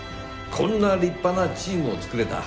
こんな立派なチームを作れた。